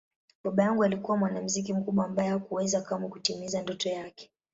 Baba yangu alikuwa mwanamuziki mkubwa ambaye hakuweza kamwe kutimiza ndoto yake.